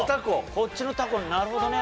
こっちのタコなるほどね。